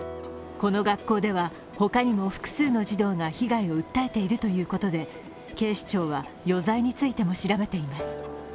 この学校では他にも複数の児童が被害を訴えているということで、警視庁は余罪についても調べています。